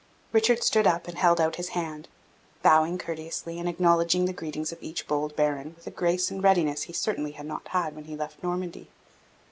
Richard stood up, and held out his hand, bowing courteously and acknowledging the greetings of each bold baron, with a grace and readiness he certainly had not when he left Normandy.